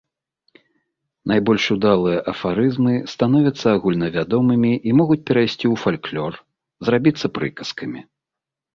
Найбольш удалыя афарызмы становяцца агульнавядомымі і могуць перайсці ў фальклор, зрабіцца прыказкамі.